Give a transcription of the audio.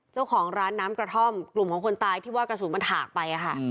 เจ้าของร้านน้ำกระท่อมกลุ่มของคนตายที่ว่ากระสุนมันถากไปค่ะ